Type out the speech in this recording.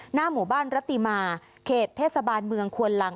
หน้าหมู่บ้านรัติมาเขตเทศบาลเมืองควนหลัง